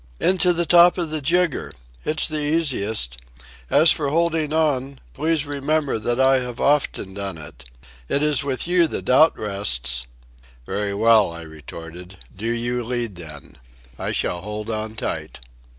"Into the top of the jigger. It's the easiest. As for holding on, please remember that I have often done it. It is with you the doubt rests." "Very well," I retorted; "do you lead then. I shall hold on tight."